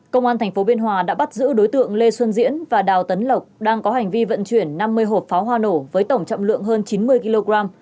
công an tp biên hòa đã bắt giữ đối tượng lê xuân diễn và đào tấn lộc đang có hành vi vận chuyển năm mươi hộp pháo hoa nổ với tổng trọng lượng hơn chín mươi kg